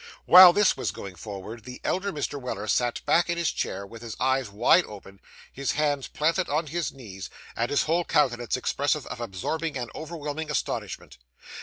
While this was going forward, the elder Mr. Weller sat back in his chair, with his eyes wide open, his hands planted on his knees, and his whole countenance expressive of absorbing and overwhelming astonishment.